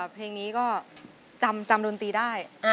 เพลงนี้ก็จำดนตรีได้